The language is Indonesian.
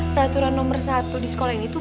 peraturan nomor satu di sekolah ini itu